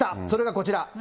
それがこちら。